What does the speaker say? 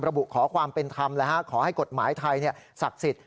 ขอความเป็นธรรมขอให้กฎหมายไทยศักดิ์สิทธิ